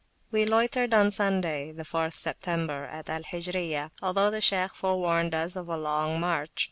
We loitered on Sunday, the 4th September, at Al Hijriyah, although the Shaykh forewarned us of a long march.